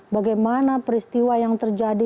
bagaimana peristiwa yang terjadi